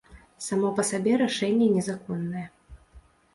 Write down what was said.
Само па сабе рашэнне незаконнае.